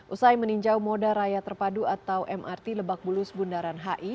usai meninjau moda raya terpadu atau mrt lebak bulus bundaran hi